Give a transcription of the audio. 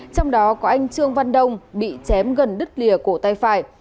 trong đó có anh trương văn đông bị chém gần đứt lìa cổ tay phải